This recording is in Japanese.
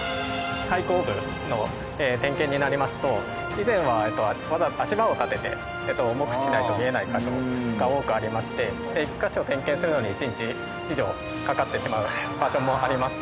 以前はわざわざ足場を立てて目視しないと見えない箇所が多くありまして１カ所を点検するのに１日以上かかってしまう場所もあります。